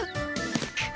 くっ。